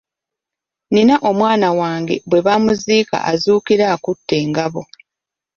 Nina omwana wange bwe bamuziika azuukira akutte engabo.